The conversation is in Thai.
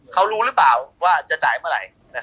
เขารู้หรือเปล่าว่าจะจ่ายเมื่อไหร่